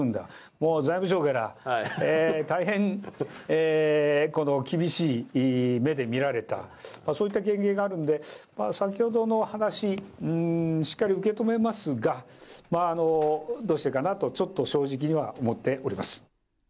もう財務省から大変厳しい目で見られた、そういった経験があるんで、先ほどの話、うーん、しっかり受け止めますが、どうしてかなと、ちょっと正直には思っております。